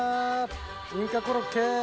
インカコロッケ。